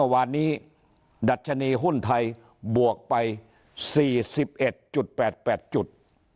วันนี้ดัชนีหุ้นไทยบวกไป๔๑๘๘จุด